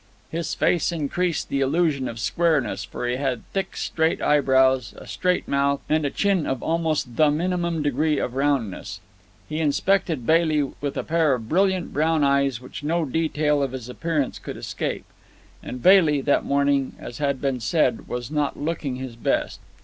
His face increased the illusion of squareness, for he had thick, straight eyebrows, a straight mouth, and a chin of almost the minimum degree of roundness. He inspected Bailey with a pair of brilliant brown eyes which no detail of his appearance could escape. And Bailey, that morning, as has been said, was not looking his best.